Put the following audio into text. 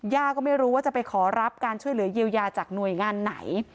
ย่าก็ไม่รู้ว่าจะไปขอรับการช่วยเหลือเยียวยาจากหน่วยงานไหน